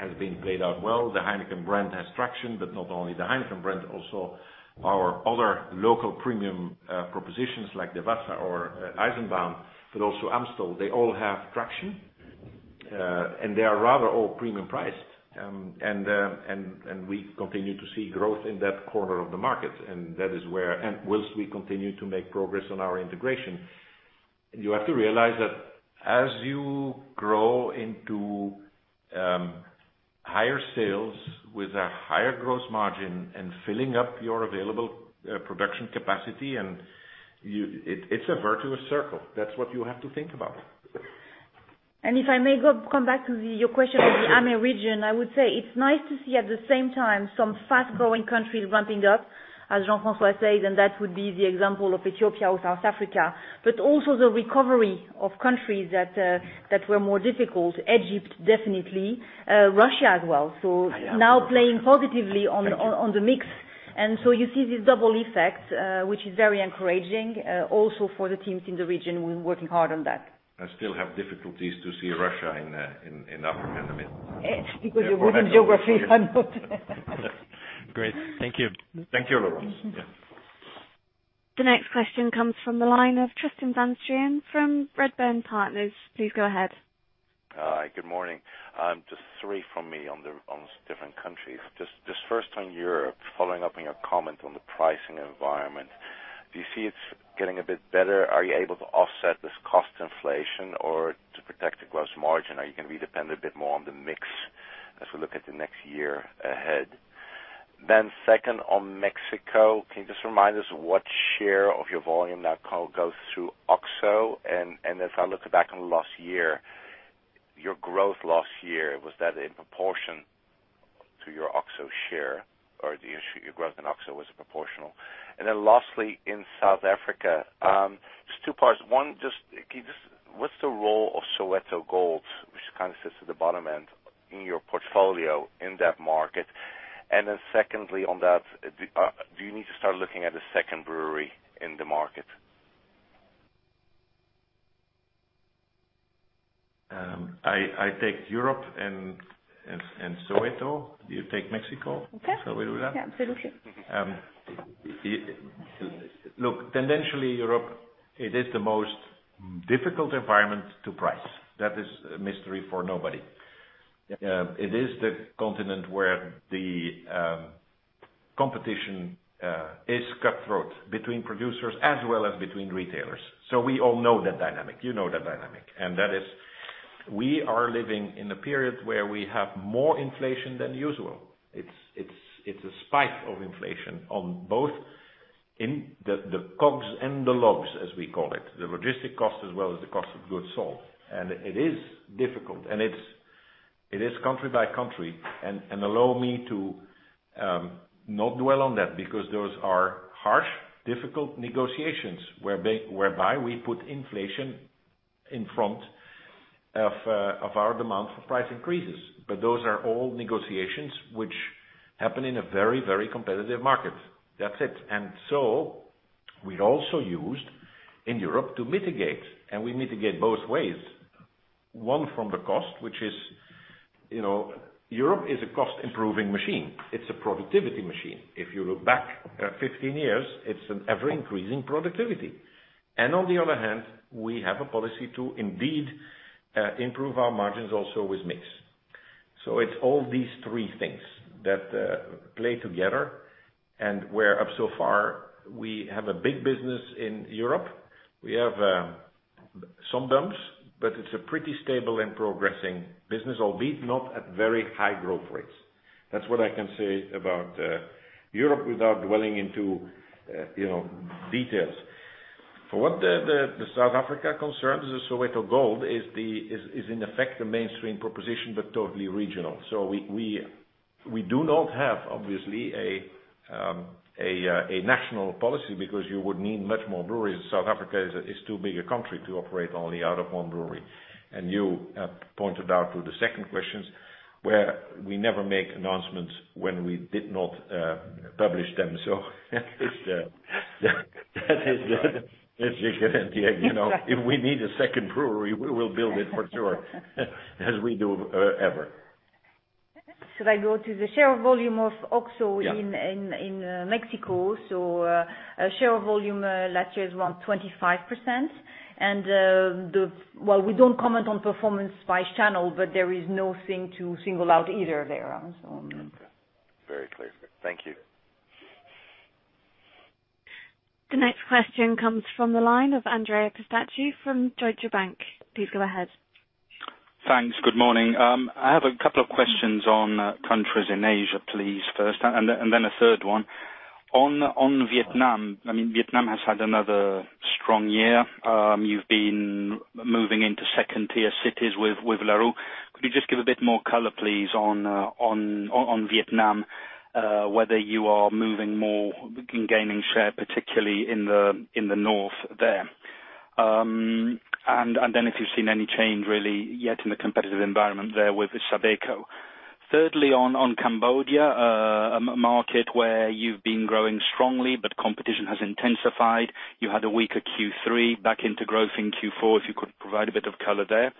has been played out well. The Heineken brand has traction, but not only the Heineken brand, also our other local premium propositions like Devassa or Eisenbahn, but also Amstel. They all have traction, and they are rather all premium priced. We continue to see growth in that corner of the market, and whilst we continue to make progress on our integration. You have to realize that as you grow into higher sales with a higher gross margin and filling up your available production capacity, it's a virtuous circle. That's what you have to think about. If I may come back to your question on the AMEE region, I would say it's nice to see at the same time some fast-growing countries ramping up, as Jean-François said, and that would be the example of Ethiopia or South Africa, but also the recovery of countries that were more difficult. Egypt definitely, Russia as well. Now playing positively on the mix. You see this double effect, which is very encouraging, also for the teams in the region who are working hard on that. I still have difficulties to see Russia in Africa and the Middle East. It's because of geography. Great. Thank you. Thank you, Laurence. Yeah. The next question comes from the line of Tristan van Strien from Redburn. Please go ahead. Hi, good morning. Just three from me on different countries. Just first on Europe, following up on your comment on the pricing environment. Do you see it's getting a bit better? Are you able to offset this cost inflation or to protect the gross margin? Are you going to be dependent a bit more on the mix as we look at the next year ahead? Second, on Mexico, can you just remind us what share of your volume now goes through OXXO? As I look back on last year, your growth last year, was that in proportion to your OXXO share? Your growth in OXXO was proportional? Lastly, in South Africa, just two parts. One, just what's the role of Soweto Gold, which kind of sits at the bottom end in your portfolio in that market? Secondly on that, do you need to start looking at a second brewery in the market? I take Europe and Soweto. Do you take Mexico? Okay. Shall we do that? Yeah. Absolutely. Look, tendentially Europe, it is the most difficult environment to price. That is a mystery for nobody. Yeah. It is the continent where the competition is cutthroat between producers as well as between retailers. We all know that dynamic. You know that dynamic. That is, we are living in a period where we have more inflation than usual. It's a spike of inflation on both in the COGS and the logs, as we call it, the logistics cost as well as the cost of goods sold. It is difficult. It is country by country. Allow me to not dwell on that, because those are harsh, difficult negotiations whereby we put inflation in front of our demand for price increases. Those are all negotiations which happen in a very, very competitive market. That's it. We also used, in Europe, to mitigate, and we mitigate both ways. One from the cost, which is Europe is a cost improving machine. It's a productivity machine. If you look back 15 years, it's an ever-increasing productivity. On the other hand, we have a policy to indeed improve our margins also with mix. It's all these three things that play together, and where up so far, we have a big business in Europe. We have some bumps, but it's a pretty stable and progressing business, albeit not at very high growth rates. That's what I can say about Europe without dwelling into details. For what the South Africa concerns, the Soweto Gold is in effect the mainstream proposition, but totally regional. We do not have, obviously, a national policy because you would need much more breweries. South Africa is too big a country to operate only out of one brewery. You pointed out to the second questions, where we never make announcements when we did not publish them. That is the chicken and the egg. If we need a second brewery, we will build it for sure, as we do ever. Should I go to the share volume of OXXO in Mexico? Yeah. Share volume last year is around 25%. Well, we don't comment on performance by channel, but there is nothing to single out either there. Okay. Very clear. Thank you. The next question comes from the line of Andrea Pistacchi from Deutsche Bank. Please go ahead. Thanks. Good morning. I have a couple of questions on countries in Asia, please, first, and then a third one. On Vietnam has had another strong year. You've been moving into second tier cities with Larue. Could you just give a bit more color, please, on Vietnam, whether you are moving more in gaining share, particularly in the north there. Then if you've seen any change really yet in the competitive environment there with Sabeco. Thirdly, on Cambodia, a market where you've been growing strongly but competition has intensified. You had a weaker Q3 back into growth in Q4, if you could provide a bit of color there.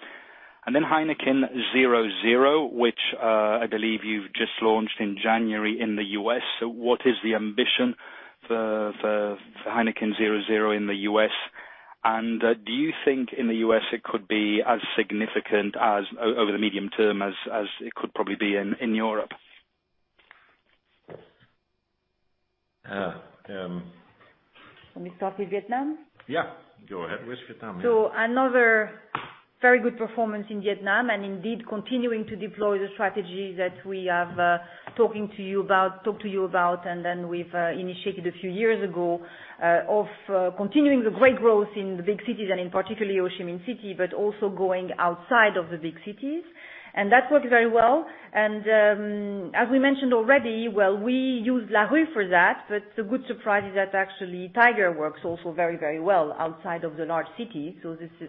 Then Heineken 0.0, which I believe you've just launched in January in the U.S. What is the ambition for Heineken 0.0 in the U.S.? Do you think in the U.S. it could be as significant as over the medium term as it could probably be in Europe? Can we start with Vietnam? Yeah. Go ahead with Vietnam, yeah. Another very good performance in Vietnam, indeed continuing to deploy the strategy that we have talked to you about, then we've initiated a few years ago of continuing the great growth in the big cities and in particularly Ho Chi Minh City, but also going outside of the big cities. That worked very well. As we mentioned already, well, we use Larue for that, but the good surprise is that actually Tiger works also very well outside of the large city.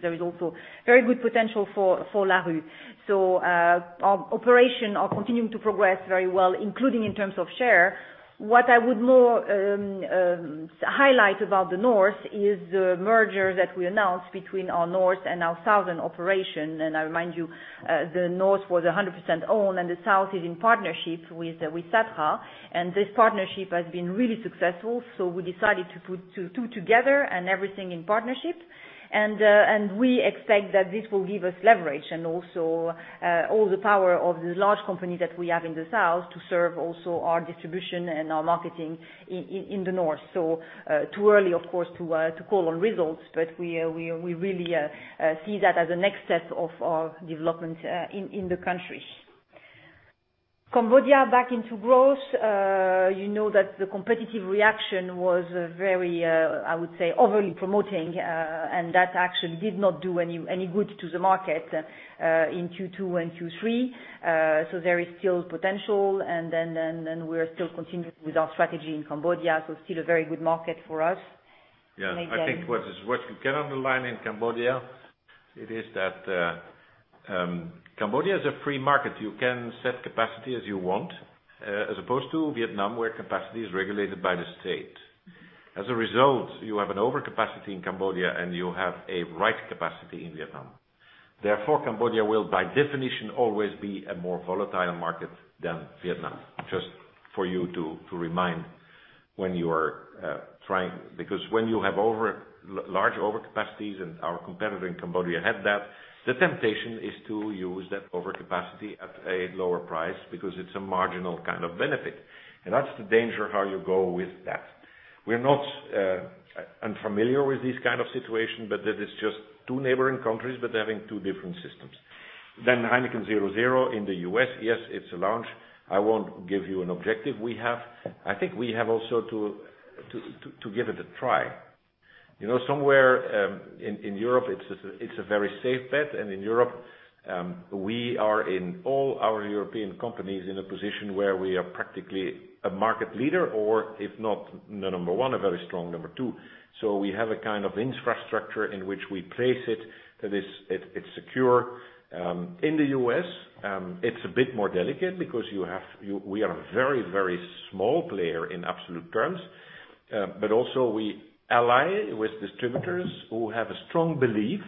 There is also very good potential for Larue. Our operation are continuing to progress very well, including in terms of share. What I would more highlight about the north is the merger that we announced between our north and our southern operation. I remind you, the north was 100% owned and the south is in partnership with Sabeco. This partnership has been really successful, we decided to put two together and everything in partnership. We expect that this will give us leverage and also all the power of the large company that we have in the south to serve also our distribution and our marketing in the north. Too early, of course, to call on results, but we really see that as a next step of our development in the country. Cambodia back into growth. You know that the competitive reaction was very, I would say, overly promoting, and that actually did not do any good to the market in Q2 and Q3. There is still potential, we're still continuing with our strategy in Cambodia. It's still a very good market for us. I think what you can underline in Cambodia is that Cambodia is a free market. You can set capacity as you want, as opposed to Vietnam, where capacity is regulated by the state. You have an overcapacity in Cambodia, and you have a right capacity in Vietnam. Cambodia will, by definition, always be a more volatile market than Vietnam. Just for you to remind when you are trying, because when you have large overcapacities, and our competitor in Cambodia had that, the temptation is to use that overcapacity at a lower price because it's a marginal kind of benefit. That's the danger how you go with that. We're not unfamiliar with this kind of situation, but that is just two neighboring countries, but they're having two different systems. Heineken 0.0 in the U.S., yes, it's a launch. I won't give you an objective we have. I think we have also to give it a try. Somewhere in Europe, it's a very safe bet, in Europe, we are in all our European companies in a position where we are practically a market leader or if not the number one, a very strong number two. We have a kind of infrastructure in which we place it that it's secure. In the U.S., it's a bit more delicate because we are a very small player in absolute terms. Also we ally with distributors who have a strong belief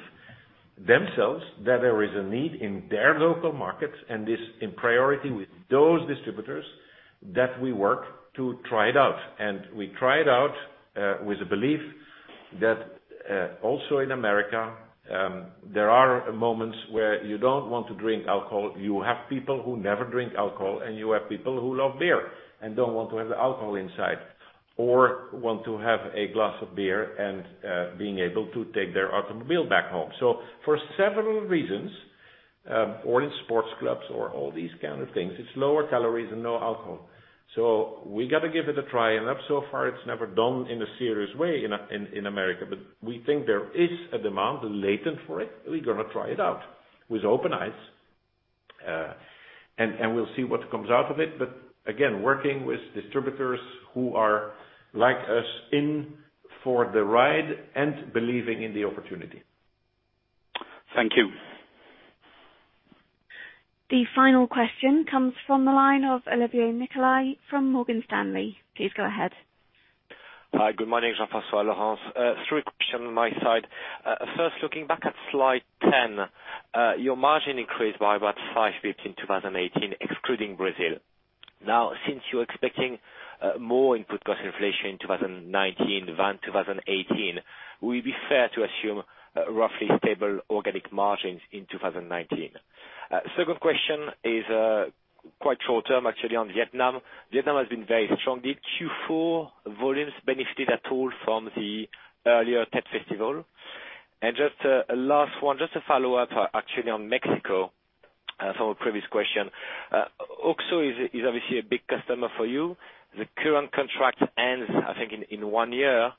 themselves that there is a need in their local markets, and this in priority with those distributors that we work to try it out. We try it out with a belief that also in America, there are moments where you don't want to drink alcohol. You have people who never drink alcohol, you have people who love beer and don't want to have the alcohol inside or want to have a glass of beer and being able to take their automobile back home, or in sports clubs or all these kinds of things. It's lower calories and no alcohol. We got to give it a try, and up so far, it's never done in a serious way in America, but we think there is a demand latent for it. We're going to try it out with open eyes. We'll see what comes out of it. Again, working with distributors who are, like us, in for the ride and believing in the opportunity. Thank you. The final question comes from the line of Olivier Nicolai from Morgan Stanley. Please go ahead. Hi, good morning, Jean-François, Laurence. Three questions on my side. First, looking back at slide 10, your margin increased by about 5 [basis points] in 2018, excluding Brazil. Since you're expecting more input cost inflation in 2019 than 2018, would it be fair to assume roughly stable organic margins in 2019? Second question is quite short-term, actually, on Vietnam. Vietnam has been very strong. Did Q4 volumes benefit at all from the earlier Tết festival? Just a last one, just a follow-up actually on Mexico from a previous question. OXXO is obviously a big customer for you. The current contract ends, I think, in one year.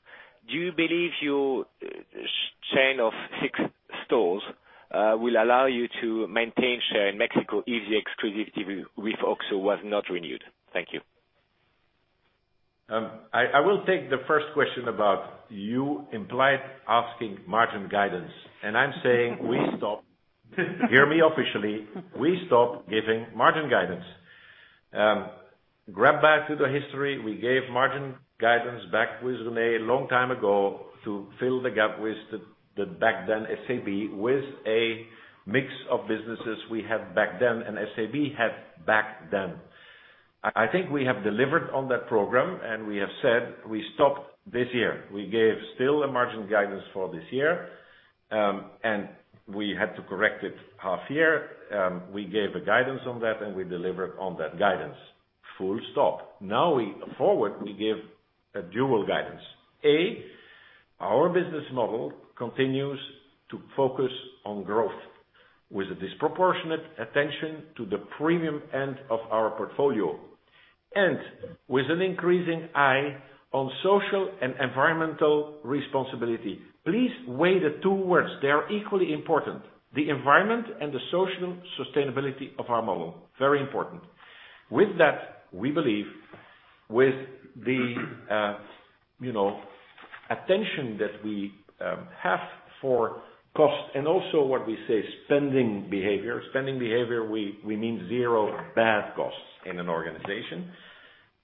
Do you believe your chain of six stores will allow you to maintain share in Mexico if the exclusivity with OXXO was not renewed? Thank you. I will take the first question about, you implied asking margin guidance. I'm saying we stopped. Hear me officially, we stopped giving margin guidance. Grab back to the history, we gave margin guidance back with Rene a long time ago to fill the gap with the back then SAB, with a mix of businesses we had back then and SAB had back then. I think we have delivered on that program. We have said we stopped this year. We gave still a margin guidance for this year. We had to correct it half year. We gave a guidance on that. We delivered on that guidance. Full stop. Now forward, we give a dual guidance. A, our business model continues to focus on growth with a disproportionate attention to the premium end of our portfolio, and with an increasing eye on social and environmental responsibility. Please weigh the two words. They are equally important. The environment and the social sustainability of our model, very important. With that, we believe with the attention that we have for cost and also what we say, spending behavior. Spending behavior, we mean zero bad costs in an organization.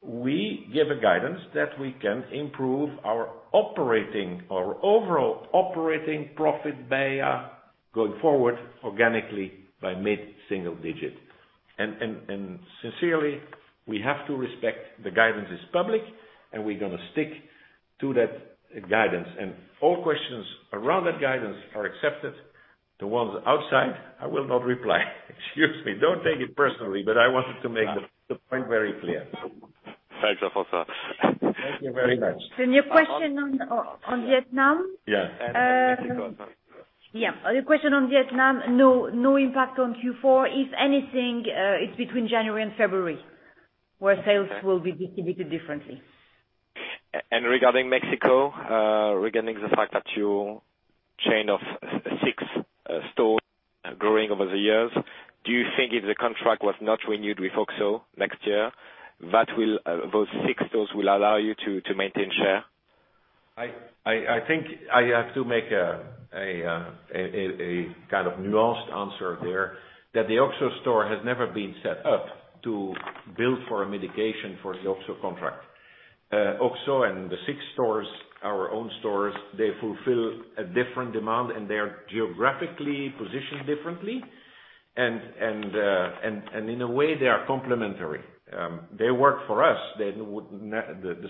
We give a guidance that we can improve our overall operating profit beia going forward organically by mid-single digit. Sincerely, we have to respect the guidance is public, and we're going to stick to that guidance. All questions around that guidance are accepted. The ones outside, I will not reply. Excuse me. Don't take it personally, but I wanted to make the point very clear. Thanks, Jean-François. Thank you very much. The new question on Vietnam. Yes. Mexico. Yeah. The question on Vietnam, no impact on Q4. If anything, it's between January and February, where sales will be distributed differently. Regarding Mexico, regarding the fact that your chain of Six stores growing over the years, do you think if the contract was not renewed with OXXO next year, those Six stores will allow you to maintain share? I think I have to make a nuanced answer there, that the OXXO store has never been set up to build for a mitigation for the OXXO contract. OXXO and the Six stores, our own stores, they fulfill a different demand, they are geographically positioned differently. In a way, they are complementary. The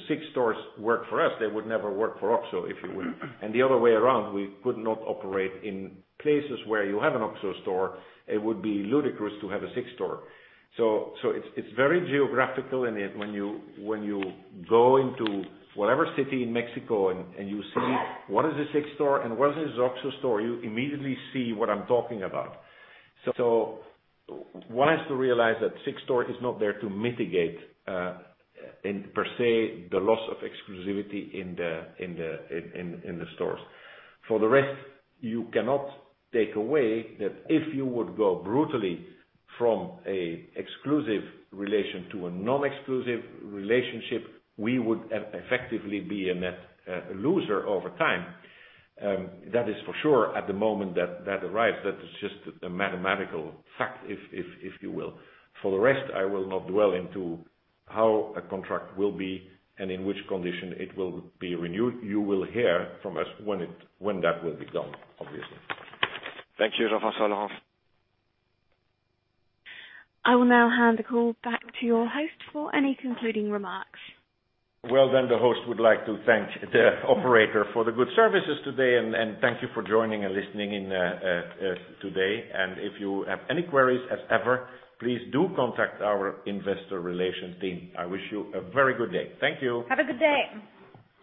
Six stores work for us. They would never work for OXXO, if you will. The other way around, we could not operate in places where you have an OXXO store. It would be ludicrous to have a sixth store. It's very geographical, and when you go into whatever city in Mexico and you see what is the sixth store and what is this OXXO store, you immediately see what I'm talking about. One has to realize that Six store is not there to mitigate per se, the loss of exclusivity in the stores. You cannot take away that if you would go brutally from an exclusive relation to a non-exclusive relationship, we would effectively be a net loser over time. That is for sure at the moment that arrives, that is just a mathematical fact, if you will. I will not dwell into how a contract will be and in which condition it will be renewed. You will hear from us when that will be done, obviously. Thank you, Jean-François, Laurence. I will now hand the call back to your host for any concluding remarks. The host would like to thank the operator for the good services today, and thank you for joining and listening in today. If you have any queries as ever, please do contact our investor relations team. I wish you a very good day. Thank you. Have a good day.